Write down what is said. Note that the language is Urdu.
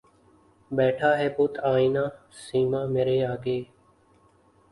بیٹھا ہے بت آئنہ سیما مرے آگے